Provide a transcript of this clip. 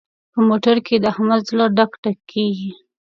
په موټر کې د احمد زړه ډک ډک کېږي.